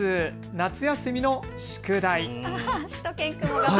夏休みの宿題。